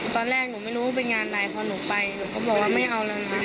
ตอนแรกหนูไม่รู้ว่าเป็นงานอะไรพอหนูไปหนูก็บอกว่าไม่เอาแล้วนะ